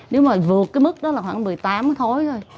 nếu mà vượt cái mức đó là khoảng một mươi tám thôi